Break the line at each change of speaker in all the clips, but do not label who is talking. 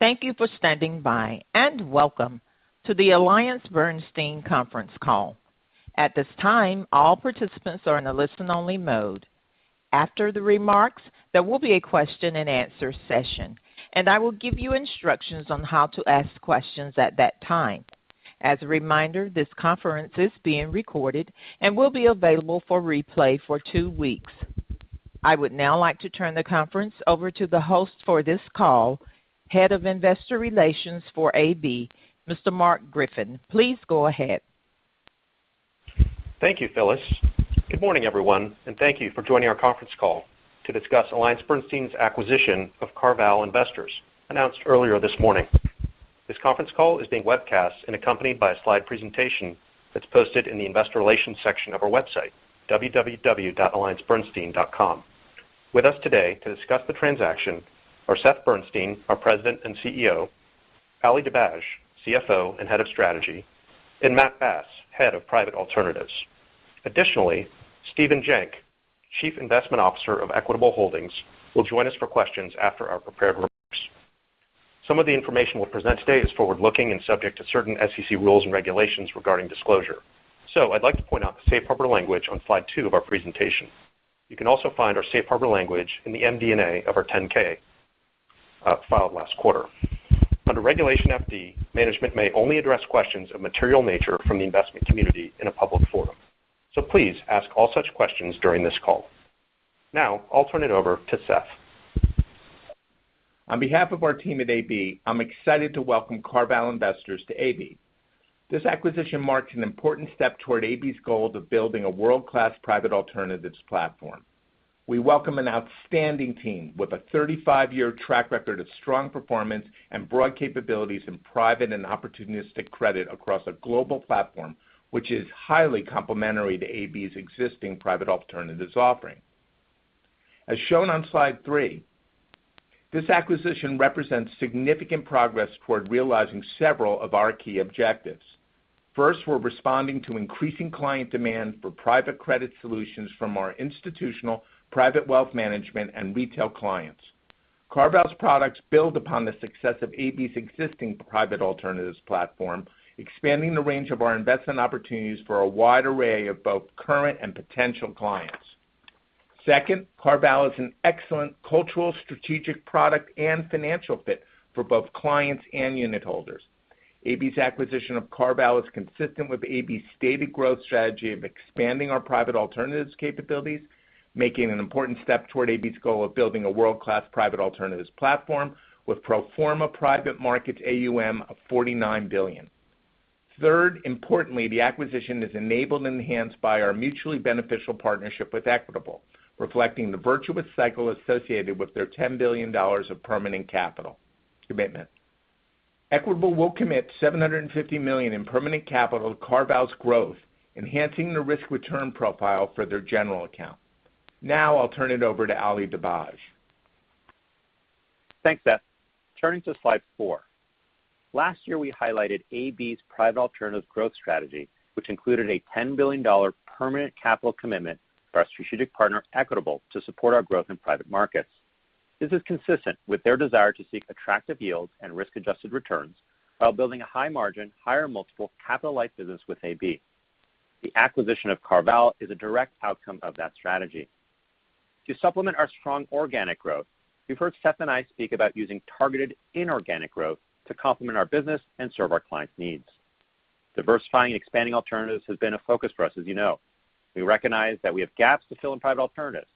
Thank you for standing by, and welcome to the AllianceBernstein conference call. At this time, all participants are in a listen-only mode. After the remarks, there will be a question-and-answer session, and I will give you instructions on how to ask questions at that time. As a reminder, this conference is being recorded and will be available for replay for two weeks. I would now like to turn the conference over to the host for this call, Head of Investor Relations for AB, Mr. Mark Griffin. Please go ahead.
Thank you, Phyllis. Good morning, everyone, and thank you for joining our conference call to discuss AllianceBernstein's acquisition of CarVal Investors announced earlier this morning. This conference call is being webcast and accompanied by a slide presentation that's posted in the investor relations section of our website, alliancebernstein.com. With us today to discuss the transaction are Seth Bernstein, our President and CEO, Ali Dibadj, CFO and Head of Strategy, and Matt Bass, Head of Private Alternatives. Additionally, Steven Joenk, Chief Investment Officer of Equitable Holdings, will join us for questions after our prepared remarks. Some of the information we'll present today is forward-looking and subject to certain SEC rules and regulations regarding disclosure. I'd like to point out the safe harbor language on slide two of our presentation. You can also find our safe harbor language in the MD&A of our 10-K filed last quarter. Under Regulation FD, management may only address questions of material nature from the investment community in a public forum. Please ask all such questions during this call. Now, I'll turn it over to Seth.
On behalf of our team at AB, I'm excited to welcome CarVal Investors to AB. This acquisition marks an important step toward AB's goal of building a world-class Private Alternatives platform. We welcome an outstanding team with a 35-year track record of strong performance and broad capabilities in private and opportunistic credit across a global platform, which is highly complementary to AB's existing Private Alternatives offering. As shown on slide three, this acquisition represents significant progress toward realizing several of our key objectives. First, we're responding to increasing client demand for private credit solutions from our Institutional, Private Wealth management, and Retail clients. CarVal's products build upon the success of AB's existing Private Alternatives platform, expanding the range of our investment opportunities for a wide array of both current and potential clients. Second, CarVal is an excellent cultural, strategic, product, and financial fit for both clients and unit holders. AB's acquisition of CarVal is consistent with AB's stated growth strategy of expanding our Private Alternatives capabilities, making an important step toward AB's goal of building a world-class Private Alternatives platform with pro forma private markets AUM of $49 billion. Third, importantly, the acquisition is enabled and enhanced by our mutually beneficial partnership with Equitable, reflecting the virtuous cycle associated with their $10 billion of permanent capital commitment. Equitable will commit $750 million in permanent capital to CarVal's growth, enhancing the risk-return profile for their general account. Now, I'll turn it over to Ali Dibadj.
Thanks, Seth. Turning to slide four. Last year, we highlighted AB's Private Alternatives growth strategy, which included a $10 billion permanent capital commitment to our strategic partner, Equitable, to support our growth in private markets. This is consistent with their desire to seek attractive yields and risk-adjusted returns while building a high margin, higher multiple capitalized business with AB. The acquisition of CarVal is a direct outcome of that strategy. To supplement our strong organic growth, you've heard Seth and I speak about using targeted inorganic growth to complement our business and serve our clients' needs. Diversifying and expanding alternatives has been a focus for us, as you know. We recognize that we have gaps to fill in Private Alternatives.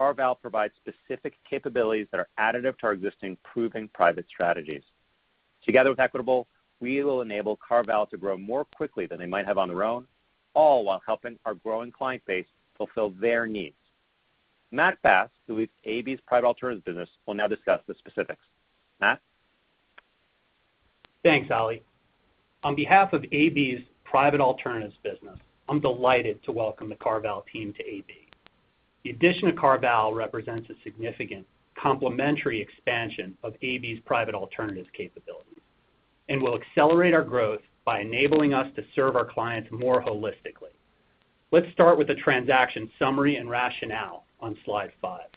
CarVal provides specific capabilities that are additive to our existing proven private strategies. Together with Equitable, we will enable CarVal to grow more quickly than they might have on their own, all while helping our growing client base fulfill their needs. Matt Bass, who is AB's Private Alternatives business, will now discuss the specifics. Matt?
Thanks, Ali. On behalf of AB's Private Alternatives business, I'm delighted to welcome the CarVal team to AB. The addition of CarVal represents a significant complementary expansion of AB's Private Alternatives capabilities and will accelerate our growth by enabling us to serve our clients more holistically. Let's start with the transaction summary and rationale on slide five.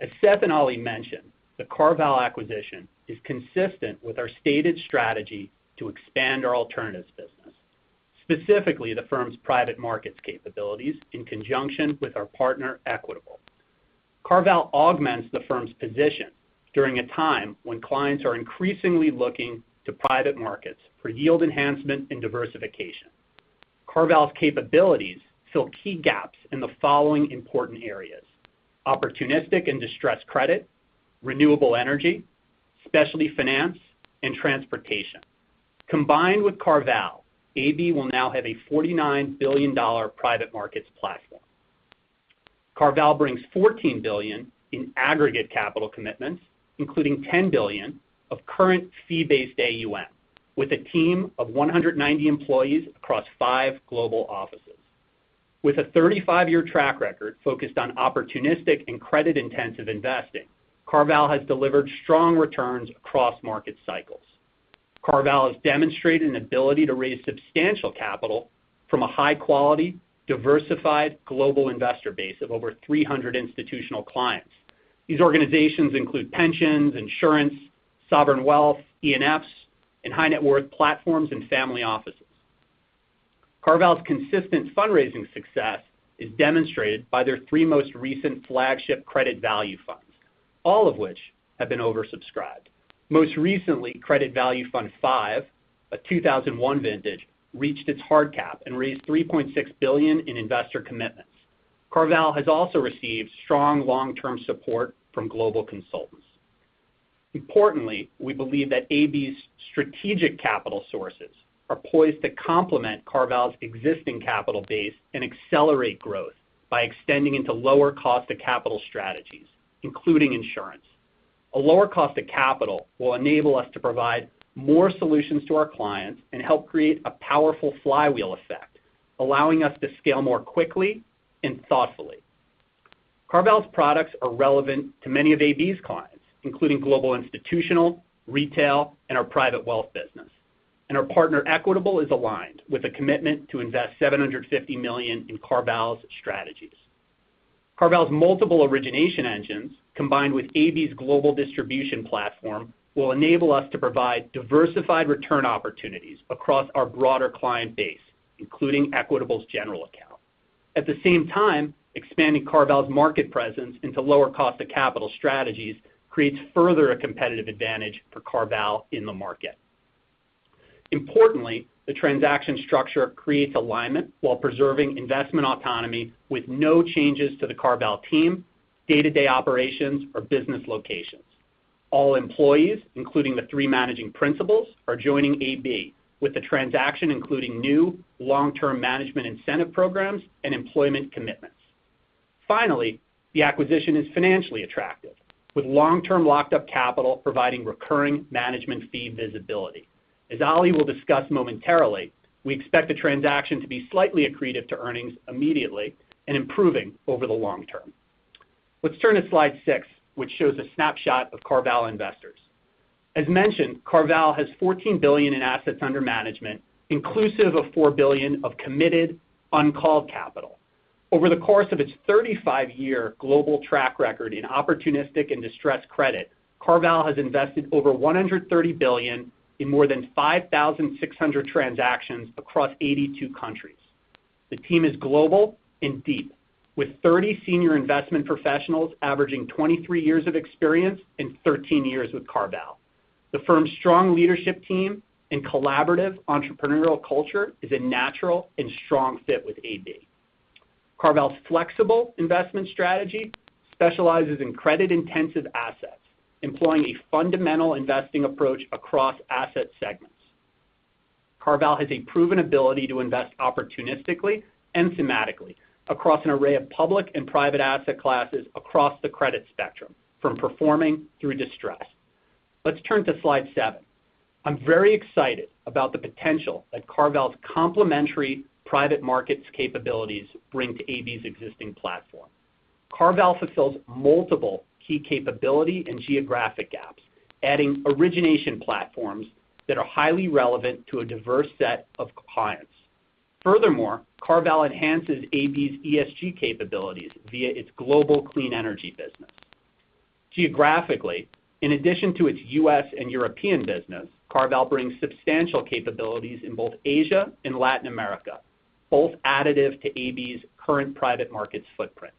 As Seth and Ali mentioned, the CarVal acquisition is consistent with our stated strategy to expand our alternatives business, specifically the firm's private markets capabilities in conjunction with our partner, Equitable. CarVal augments the firm's position during a time when clients are increasingly looking to private markets for yield enhancement and diversification. CarVal's capabilities fill key gaps in the following important areas, opportunistic and distressed credit, renewable energy, specialty finance, and transportation. Combined with CarVal, AB will now have a $49 billion private markets platform. CarVal brings $14 billion in aggregate capital commitments, including $10 billion of current fee-based AUM with a team of 190 employees across 5 global offices. With a 35-year track record focused on opportunistic and credit-intensive investing, CarVal has delivered strong returns across market cycles. CarVal has demonstrated an ability to raise substantial capital from a high quality, diversified global investor base of over 300 institutional clients. These organizations include pensions, insurance, sovereign wealth, E&Fs, and high net worth platforms and family offices. CarVal's consistent fundraising success is demonstrated by their three most recent flagship Credit Value Fund V, all of which have been oversubscribed. Most recently, Credit Value Fund V, a 2021 vintage, reached its hard cap and raised $3.6 billion in investor commitments. CarVal has also received strong long-term support from global consultants. Importantly, we believe that AB's strategic capital sources are poised to complement CarVal's existing capital base and accelerate growth by extending into lower cost of capital strategies, including insurance. A lower cost of capital will enable us to provide more solutions to our clients and help create a powerful flywheel effect, allowing us to scale more quickly and thoughtfully. CarVal's products are relevant to many of AB's clients, including global Institutional, Retail, and our Private Wealth business. Our partner, Equitable, is aligned with a commitment to invest $750 million in CarVal's strategies. CarVal's multiple origination engines, combined with AB's global distribution platform, will enable us to provide diversified return opportunities across our broader client base, including Equitable's general account. At the same time, expanding CarVal's market presence into lower cost of capital strategies creates further a competitive advantage for CarVal in the market. Importantly, the transaction structure creates alignment while preserving investment autonomy with no changes to the CarVal team, day-to-day operations, or business locations. All employees, including the three managing principals, are joining AB, with the transaction including new long-term management incentive programs and employment commitments. Finally, the acquisition is financially attractive, with long-term locked up capital providing recurring management fee visibility. As Ali will discuss momentarily, we expect the transaction to be slightly accretive to earnings immediately and improving over the long term. Let's turn to slide six, which shows a snapshot of CarVal Investors. As mentioned, CarVal has $14 billion in assets under management, inclusive of $4 billion of committed uncalled capital. Over the course of its 35-year global track record in opportunistic and distressed credit, CarVal has invested over $130 billion in more than 5,600 transactions across 82 countries. The team is global and deep, with 30 senior investment professionals averaging 23 years of experience and 13 years with CarVal. The firm's strong leadership team and collaborative entrepreneurial culture is a natural and strong fit with AB. CarVal's flexible investment strategy specializes in credit-intensive assets, employing a fundamental investing approach across asset segments. CarVal has a proven ability to invest opportunistically and thematically across an array of public and private asset classes across the credit spectrum, from performing through distress. Let's turn to slide seven. I'm very excited about the potential that CarVal's complementary private markets capabilities bring to AB's existing platform. CarVal fulfills multiple key capability and geographic gaps, adding origination platforms that are highly relevant to a diverse set of clients. Furthermore, CarVal enhances AB's ESG capabilities via its global clean energy business. Geographically, in addition to its U.S. and European business, CarVal brings substantial capabilities in both Asia and Latin America, both additive to AB's current private markets footprint.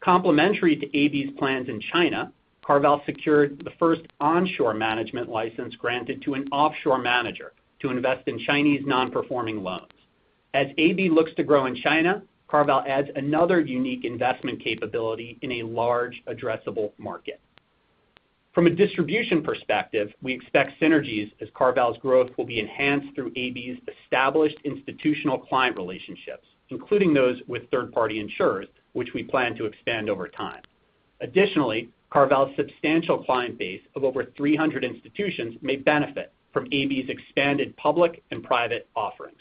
Complementary to AB's plans in China, CarVal secured the first onshore management license granted to an offshore manager to invest in Chinese non-performing loans. As AB looks to grow in China, CarVal adds another unique investment capability in a large addressable market. From a distribution perspective, we expect synergies as CarVal's growth will be enhanced through AB's established institutional client relationships, including those with third-party insurers, which we plan to expand over time. Additionally, CarVal's substantial client base of over 300 institutions may benefit from AB's expanded public and private offerings.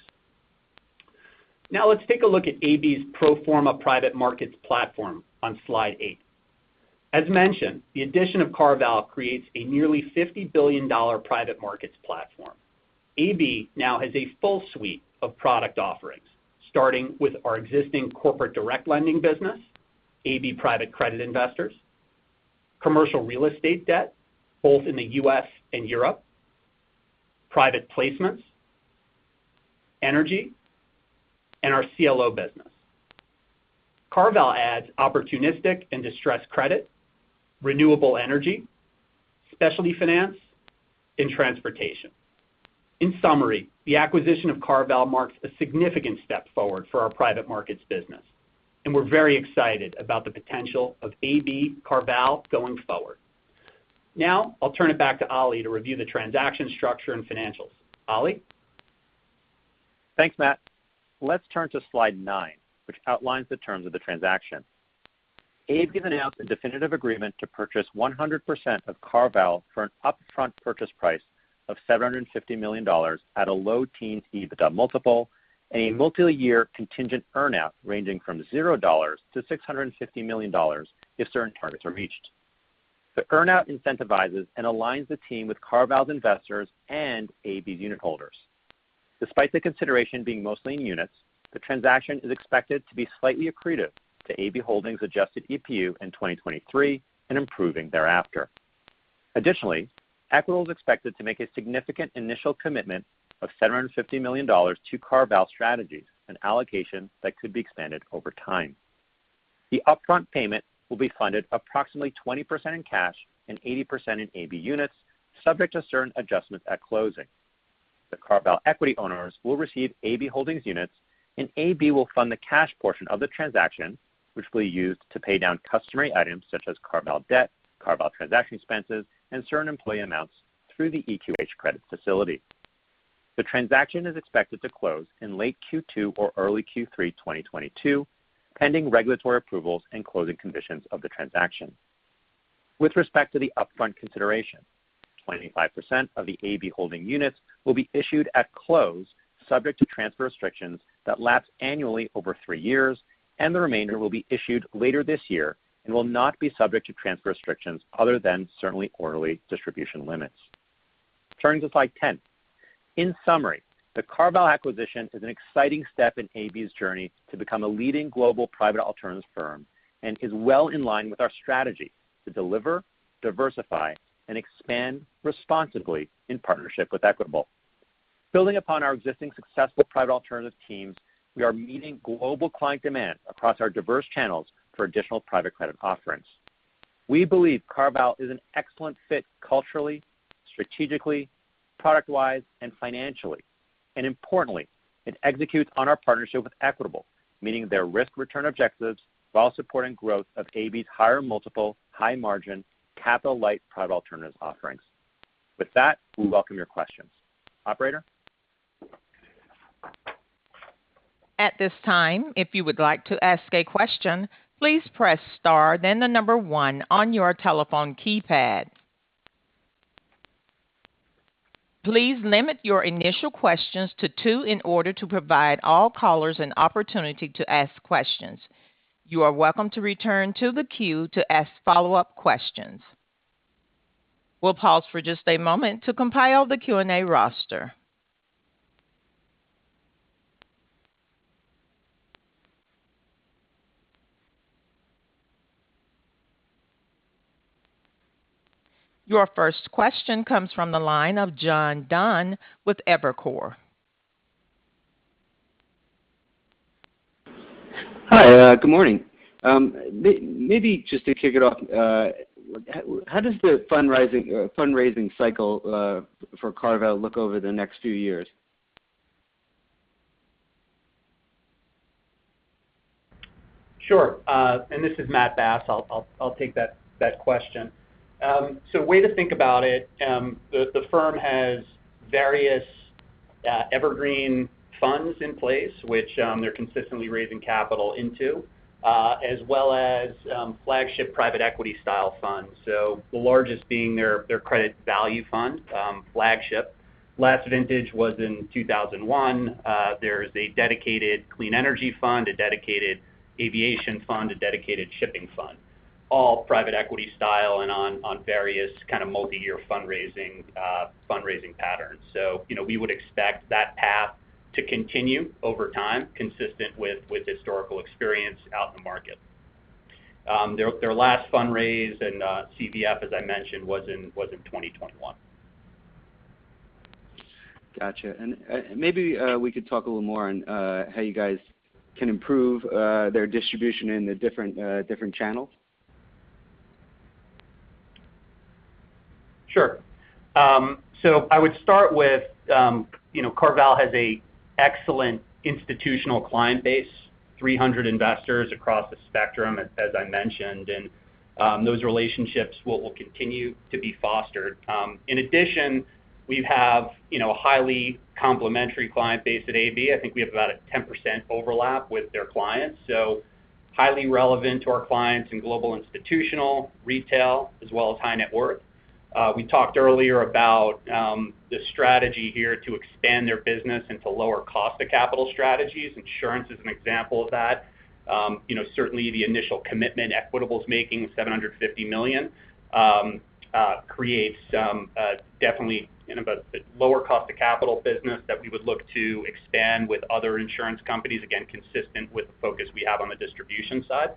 Now let's take a look at AB's pro forma private markets platform on slide eight. As mentioned, the addition of CarVal creates a nearly $50 billion private markets platform. AB now has a full suite of product offerings, starting with our existing corporate direct lending business, AB Private Credit Investors, commercial real estate debt, both in the U.S. and Europe, private placements, energy, and our CLO business. CarVal adds opportunistic and distressed credit, renewable energy, specialty finance, and transportation. In summary, the acquisition of CarVal marks a significant step forward for our private markets business, and we're very excited about the potential of AB CarVal going forward. Now, I'll turn it back to Ali to review the transaction structure and financials. Ali?
Thanks, Matt. Let's turn to slide nine, which outlines the terms of the transaction. AB has announced a definitive agreement to purchase 100% of CarVal for an upfront purchase price of $750 million at a low-teens EBITDA multiple and a multi-year contingent earn-out ranging from $0-$650 million if certain targets are reached. The earn-out incentivizes and aligns the team with CarVal's investors and AB's unitholders. Despite the consideration being mostly in units, the transaction is expected to be slightly accretive to AB Holdings' adjusted EPU in 2023, and improving thereafter. Additionally, Equitable is expected to make a significant initial commitment of $750 million to CarVal Strategies, an allocation that could be expanded over time. The upfront payment will be funded approximately 20% in cash and 80% in AB units, subject to certain adjustments at closing. The CarVal equity owners will receive AB Holding units, and AB will fund the cash portion of the transaction, which will be used to pay down customary items such as CarVal debt, CarVal transaction expenses, and certain employee amounts through the EQH credit facility. The transaction is expected to close in late Q2 or early Q3 2022, pending regulatory approvals and closing conditions of the transaction. With respect to the upfront consideration, 25% of the AB Holding units will be issued at close, subject to transfer restrictions that lapse annually over three years, and the remainder will be issued later this year and will not be subject to transfer restrictions other than certain quarterly distribution limits. Turning to slide 10. In summary, the CarVal acquisition is an exciting step in AB's journey to become a leading global Private Alternatives firm, and is well in line with our strategy to deliver, diversify, and expand responsibly in partnership with Equitable. Building upon our existing successful Private Alternatives teams, we are meeting global client demand across our diverse channels for additional private credit offerings. We believe CarVal is an excellent fit culturally, strategically, product-wise, and financially. Importantly, it executes on our partnership with Equitable, meeting their risk return objectives while supporting growth of AB's higher multiple, high margin, capital light Private Alternatives offerings. With that, we welcome your questions. Operator?
At this time, if you would like to ask a question, please press star then the number one on your telephone keypad. Please limit your initial questions to two in order to provide all callers an opportunity to ask questions. You are welcome to return to the queue to ask follow-up questions. We'll pause for just a moment to compile the Q&A roster. Your first question comes from the line of John Dunn with Evercore.
Hi, good morning. Maybe just to kick it off, how does the fundraising cycle for CarVal look over the next few years?
Sure. This is Matt Bass. I'll take that question. A way to think about it, the firm has various evergreen funds in place which they're consistently raising capital into, as well as flagship private equity style funds. The largest being their Credit Value Fund flagship. Last vintage was in 2021. There's a dedicated clean energy fund, a dedicated aviation fund, a dedicated shipping fund, all private equity style and on various kind of multi-year fundraising patterns. You know, we would expect that path to continue over time, consistent with historical experience out in the market. Their last fundraise in CVF, as I mentioned, was in 2021.
Gotcha. Maybe we could talk a little more on how you guys can improve their distribution in the different channels.
Sure. I would start with, you know, CarVal has an excellent institutional client base, 300 investors across the spectrum, as I mentioned, and those relationships will continue to be fostered. In addition, we have, you know, a highly complementary client base at AB. I think we have about a 10% overlap with their clients, so highly relevant to our clients in global Institutional, Retail, as well as high net worth. We talked earlier about the strategy here to expand their business into lower cost of capital strategies. Insurance is an example of that. You know, certainly the initial commitment Equitable's making, $750 million, creates some definitely in a lower cost of capital business that we would look to expand with other insurance companies, again, consistent with the focus we have on the distribution side.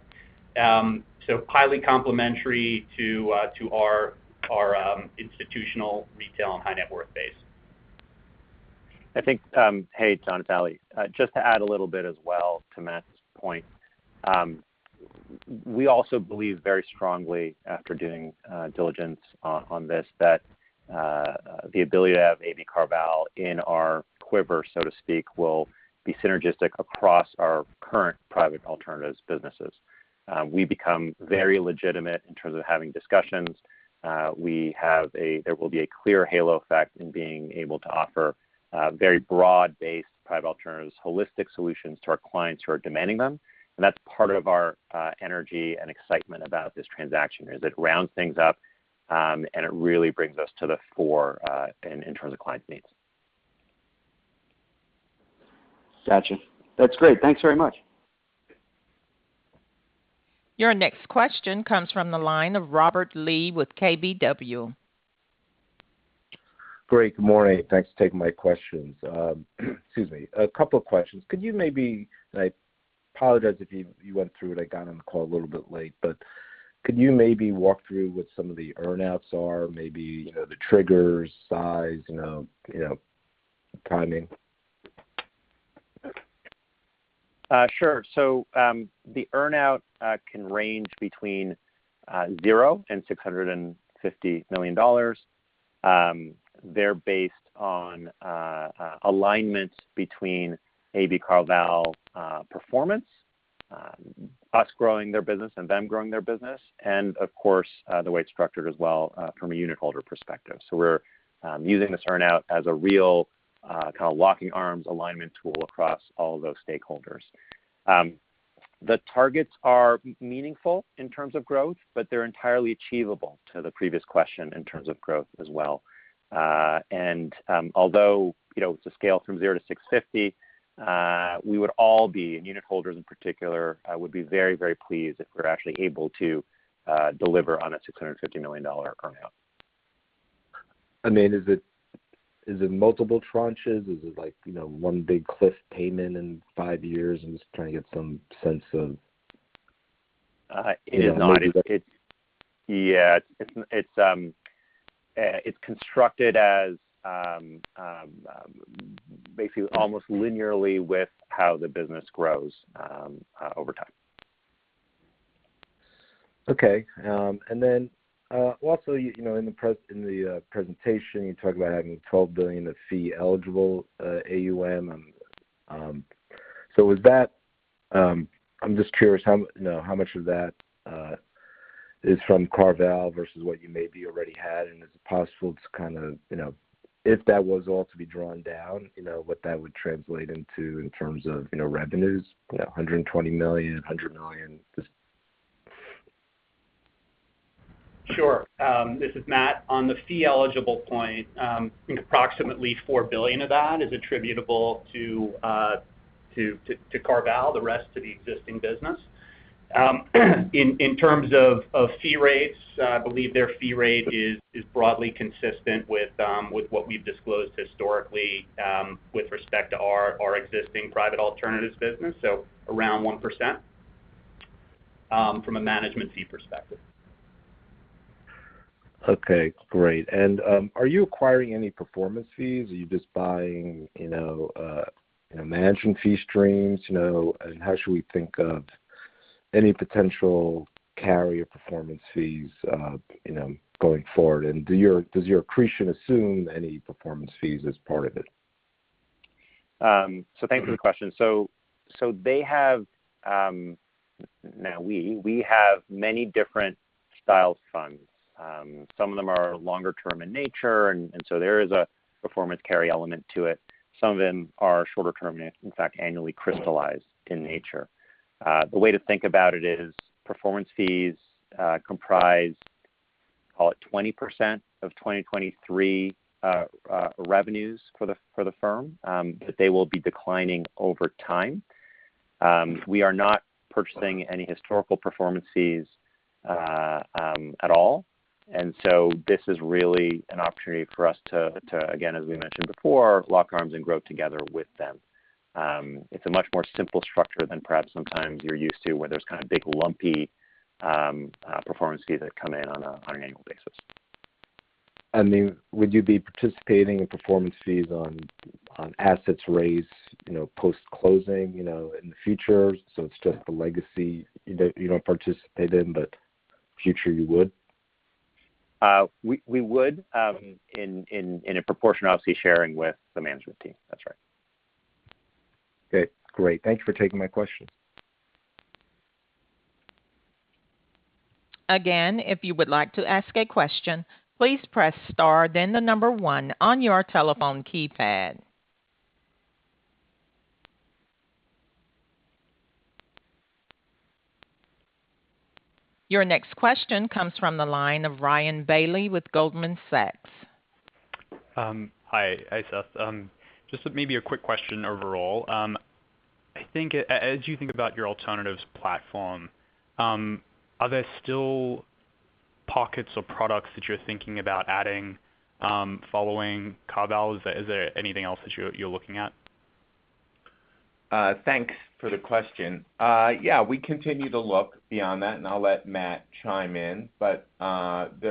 Highly complementary to our institutional retail and high net worth base.
I think, Hey, John, it's Ali. Just to add a little bit as well to Matt's point. We also believe very strongly after doing diligence on this that the ability to have AB CarVal in our quiver, so to speak, will be synergistic across our current Private Alternatives businesses. We become very legitimate in terms of having discussions. There will be a clear halo effect in being able to offer very broad-based Private Alternatives, holistic solutions to our clients who are demanding them. That's part of our energy and excitement about this transaction. It rounds things up, and it really brings us to the fore in terms of clients' needs.
Gotcha. That's great. Thanks very much.
Your next question comes from the line of Robert Lee with KBW.
Great, good morning. Thanks for taking my questions. Excuse me. A couple of questions. I apologize if you went through it. I got on the call a little bit late. Could you maybe walk through what some of the earn-outs are, maybe, you know, the triggers, size, you know, timing?
Sure. The earn-out can range between zero and $650 million. They're based on alignment between AB CarVal performance, us growing their business and them growing their business, and of course, the way it's structured as well, from a unitholder perspective. We're using this earn-out as a real kind of locking arms alignment tool across all those stakeholders. The targets are meaningful in terms of growth, but they're entirely achievable to the previous question in terms of growth as well. Although, you know, it's a scale from $0-$650 million, we would all be, and unitholders in particular, would be very, very pleased if we're actually able to deliver on a $650 million earn-out.
I mean, is it multiple tranches? Is it like, you know, one big cliff payment in five years? I'm just trying to get some sense of, you know.
It is not. Yeah. It's constructed as basically almost linearly with how the business grows over time.
Okay, and then also, you know, in the presentation, you talked about having $12 billion of fee-eligible AUM. So was that. I'm just curious how, you know, how much of that is from CarVal versus what you maybe already had? Is it possible to kind of, you know, if that was all to be drawn down, you know, what that would translate into in terms of, you know, revenues, you know, $120 million, $100 million? Just.
Sure. This is Matt. On the fee eligible point, I think approximately $4 billion of that is attributable to CarVal, the rest to the existing business. In terms of fee rates, I believe their fee rate is broadly consistent with what we've disclosed historically with respect to our existing Private Alternatives business, so around 1%, from a management fee perspective.
Okay, great. Are you acquiring any performance fees? Are you just buying, you know, you know, management fee streams? You know, and how should we think of any potential carry or performance fees, you know, going forward? Does your accretion assume any performance fees as part of it?
Thanks for the question. Now we have many different styles of funds. Some of them are longer term in nature, and so there is a performance carry element to it. Some of them are shorter term, in fact, annually crystallized in nature. The way to think about it is performance fees comprise, call it 20% of 2023 revenues for the firm, but they will be declining over time. We are not purchasing any historical performance fees at all. This is really an opportunity for us to again, as we mentioned before, lock arms and grow together with them. It's a much more simple structure than perhaps sometimes you're used to, where there's kind of big, lumpy performance fees that come in on an annual basis.
Would you be participating in performance fees on assets raised, you know, post-closing, you know, in the future? It's just the legacy you don't participate in, but future you would?
We would in a proportion, obviously sharing with the management team. That's right.
Okay, great. Thank you for taking my question.
Your next question comes from the line of Ryan Bailey with Goldman Sachs.
Hi. Hi, Seth. Just maybe a quick question overall. I think as you think about your alternatives platform, are there still pockets or products that you're thinking about adding, following CarVal? Is there anything else that you're looking at?
Thanks for the question. Yeah, we continue to look beyond that, and I'll let Matt chime in. There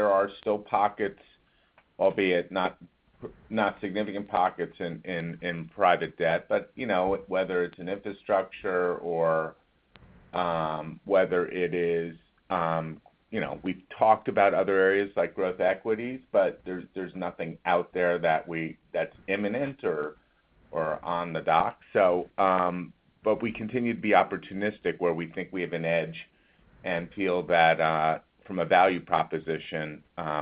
are still pockets, albeit not significant pockets in private debt. You know, whether it's infrastructure or whether it is, you know, we've talked about other areas like growth equities, but there's nothing out there that's imminent or on the docket. We continue to be opportunistic where we think we have an edge and feel that from a value proposition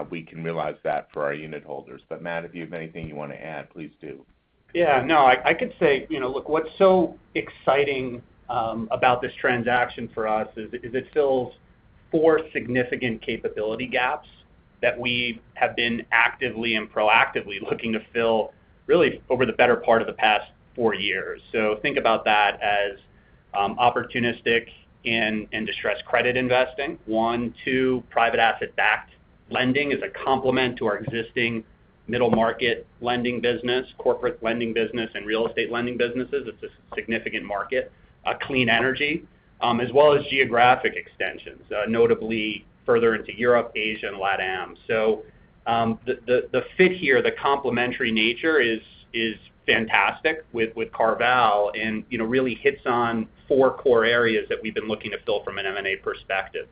we can realize that for our unitholders. Matt, if you have anything you wanna add, please do.
Yeah, no, I could say, you know, look, what's so exciting about this transaction for us is it fills four significant capability gaps that we have been actively and proactively looking to fill really over the better part of the past four years. Think about that as opportunistic and distressed credit investing, one. Two, private asset-backed lending is a complement to our existing middle-market lending business, corporate lending business, and real estate lending businesses. It's a significant market. Clean energy as well as geographic extensions notably further into Europe, Asia, and LatAm. The fit here, the complementary nature is fantastic with CarVal and, you know, really hits on four core areas that we've been looking to fill from an M&A perspective.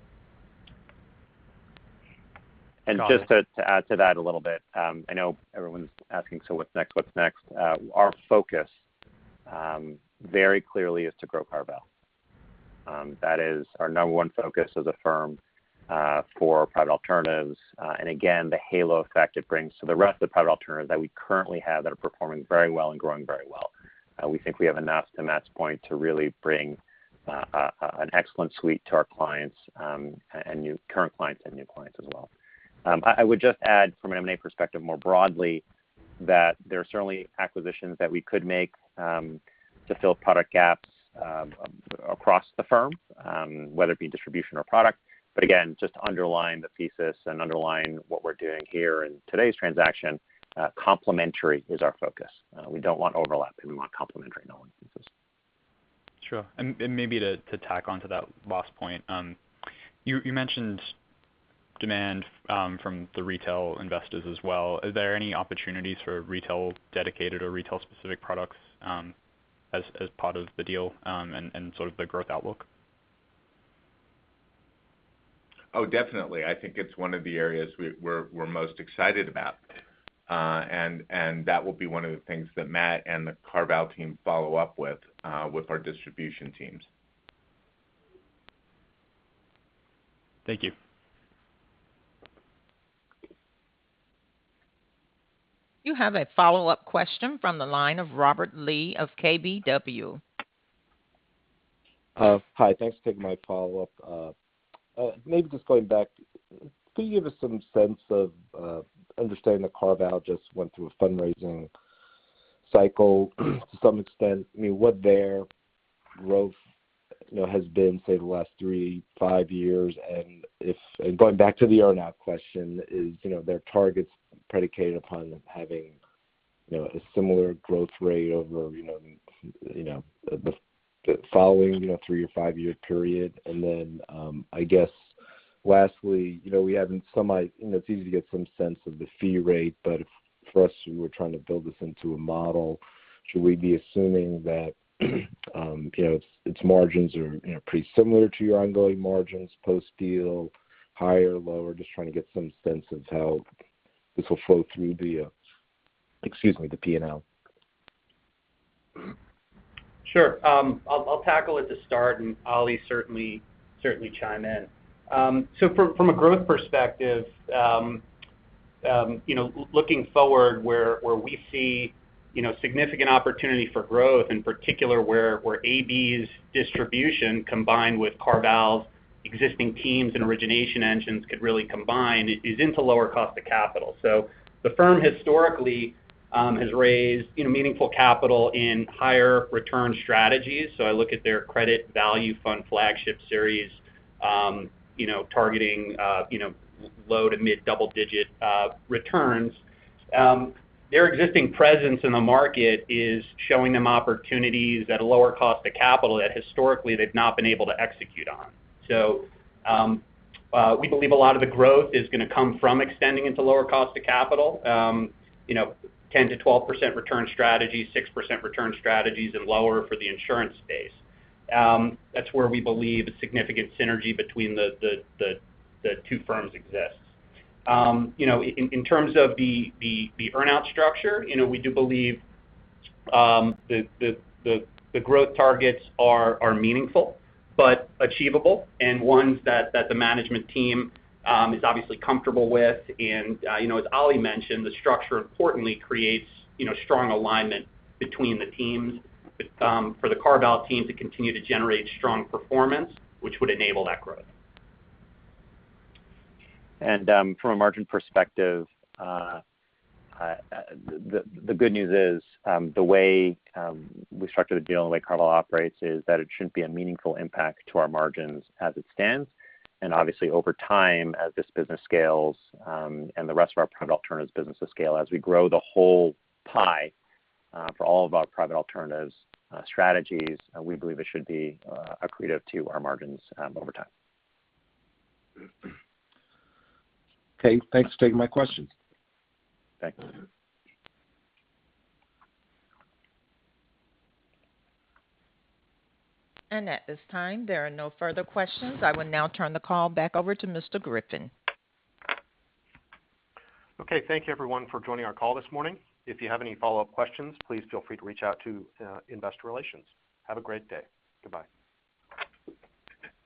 Just to add to that a little bit, I know everyone's asking, "So what's next? What's next?" Our focus very clearly is to grow CarVal. That is our number one focus as a firm for Private Alternatives. And again, the halo effect it brings to the rest of the Private Alternatives that we currently have that are performing very well and growing very well. We think we have enough, to Matt's point, to really bring an excellent suite to our clients, current clients and new clients as well. I would just add from an M&A perspective more broadly that there are certainly acquisitions that we could make to fill product gaps across the firm, whether it be distribution or product. Again, just to underline the thesis and underline what we're doing here in today's transaction, complementary is our focus. We don't want overlap. We want complementary in all instances.
Sure. Maybe to tack onto that last point. You mentioned demand from the retail investors as well. Are there any opportunities for retail dedicated or retail specific products as part of the deal and sort of the growth outlook?
Oh, definitely. I think it's one of the areas we're most excited about. That will be one of the things that Matt and the CarVal team follow up with our distribution teams.
Thank you.
You have a follow-up question from the line of Robert Lee of KBW.
Hi, thanks for taking my follow-up. Maybe just going back, can you give us some sense of understanding that CarVal just went through a fundraising cycle to some extent? I mean, what their growth, you know, has been, say, the last three to five years. Going back to the earn-out question, is their targets predicated upon them having, you know, a similar growth rate over, you know, the following, you know, three- to five-year period? Then, I guess lastly, you know, it's easy to get some sense of the fee rate, but for us, we're trying to build this into a model. Should we be assuming that, you know, its margins are, you know, pretty similar to your ongoing margins post-deal, higher, lower? Just trying to get some sense of how this will flow through the, excuse me, the P&L.
Sure. I'll tackle it to start, and Ali certainly chime in. From a growth perspective, you know, looking forward, where we see, you know, significant opportunity for growth, in particular where AB's distribution combined with CarVal's existing teams and origination engines could really combine is into lower cost of capital. The firm historically has raised, you know, meaningful capital in higher return strategies. I look at their Credit Value Fund flagship series, you know, targeting, you know, low to mid double-digit returns. Their existing presence in the market is showing them opportunities at a lower cost of capital that historically they've not been able to execute on. We believe a lot of the growth is gonna come from extending into lower cost of capital, you know, 10%-12% return strategies, 6% return strategies, and lower for the insurance space. That's where we believe a significant synergy between the two firms exists. You know, in terms of the earn-out structure, you know, we do believe the growth targets are meaningful but achievable and ones that the management team is obviously comfortable with. You know, as Ali Dibadj mentioned, the structure importantly creates strong alignment between the teams for the CarVal team to continue to generate strong performance, which would enable that growth.
From a margin perspective, the good news is the way we structured the deal and the way CarVal operates is that it shouldn't be a meaningful impact to our margins as it stands. Obviously, over time, as this business scales and the rest of our Private Alternatives businesses scale, as we grow the whole pie for all of our Private Alternatives strategies, we believe it should be accretive to our margins over time.
Okay. Thanks for taking my questions.
Thanks.
At this time, there are no further questions. I will now turn the call back over to Mr. Griffin.
Okay, thank you everyone for joining our call this morning. If you have any follow-up questions, please feel free to reach out to investor relations. Have a great day. Goodbye.